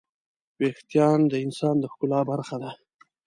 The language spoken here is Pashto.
وېښتيان د انسان د ښکلا برخه ده.